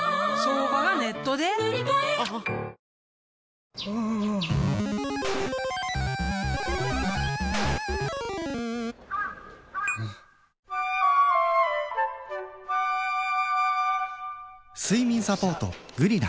新登場睡眠サポート「グリナ」